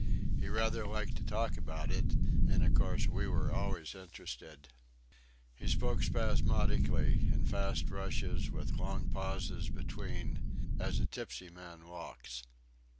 He rather liked to talk about it, and of course we were always interested. He spoke spasmodically, in fast rushes with long pauses between, as a tipsy man walks....